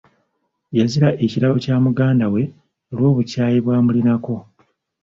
Yazira ekirabo kya muganda we lw'obukyayi bw'amulinako.